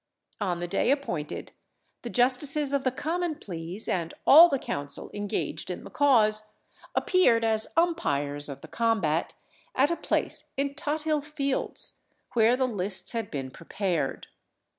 On the day appointed, the justices of the Common Pleas, and all the counsel engaged in the cause, appeared as umpires of the combat, at a place in Tothill fields, where the lists had been prepared.